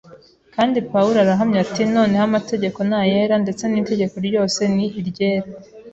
Kandi Pawulo arahamya ati: « Noneho amategeko ni ayera ndetse n’itegeko ryose ni iryera,